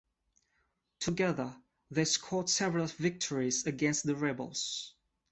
Together, they scored several victories against the rebels.